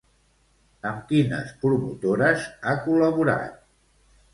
Amb quines promotores ha col·laborat?